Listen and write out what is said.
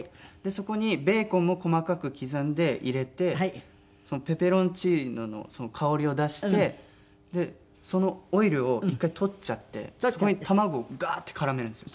そこにベーコンを細かく刻んで入れてペペロンチーノの香りを出してそのオイルを１回取っちゃってそこに卵をガーッて絡めるんですよ。